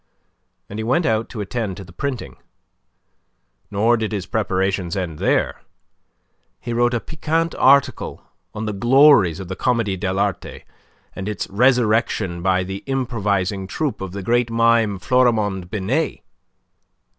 And he went out to attend to the printing. Nor did his preparations end there. He wrote a piquant article on the glories of the Comedie de l'Art, and its resurrection by the improvising troupe of the great mime Florimond Binet.